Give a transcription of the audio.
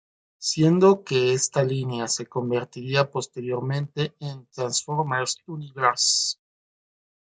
Siendo que esta línea se convertiría posteriormente en Transformers Universe.